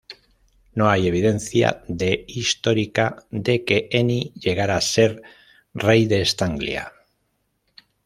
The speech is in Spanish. No hay evidencia d histórica de que Eni llegara a ser rey de Estanglia.